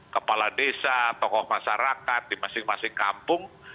kepala desa tokoh masyarakat di masing masing kampung